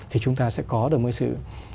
thì chúng ta sẽ có được mấy sự